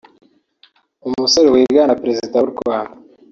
umusore wigana Perezida w’u Rwanda